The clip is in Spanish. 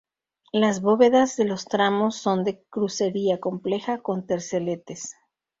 Las bóvedas de los tramos son de crucería compleja con terceletes.